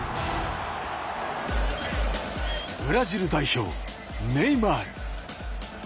ブラジル代表、ネイマール。